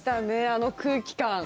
あの空気感。